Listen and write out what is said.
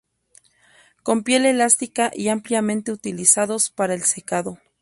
Con piel elástica y ampliamente utilizados para el secado.